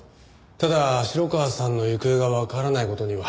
ただ城川さんの行方がわからない事には。